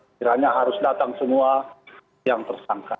kiranya harus datang semua yang tersangka